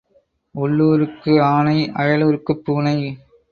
உள்ளூருக்கு ஆனை, அயலூருக்குப் பூனை.